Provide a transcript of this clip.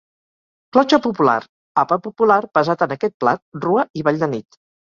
Clotxa popular: àpat popular basat en aquest plat, rua i ball de nit.